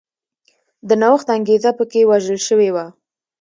د نوښت انګېزه په کې وژل شوې وه.